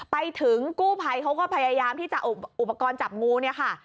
ไปถึงกู้ภัยเขาก็พยายามที่จะเอาอุปกรณ์จับงูเนี่ยค่ะ